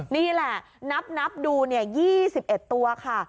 นี่แหละนับดู๒๑ตัวค่ะ